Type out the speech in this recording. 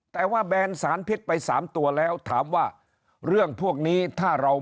แต่ว่าแบนสารพิษไปสามตัวแล้วถามว่าเรื่องพวกนี้ถ้าเรา